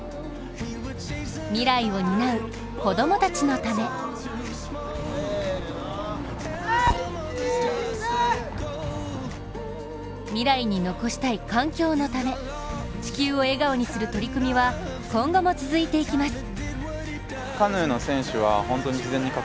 未来を担う子供たちのため未来に残したい環境のため地球を笑顔にする取り組みは今後も続いていきます。